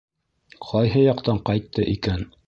— Ҡайһы яҡтан ҡайтты икән?